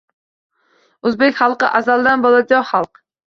O‘zbek xalqi azaldan bolajon xalq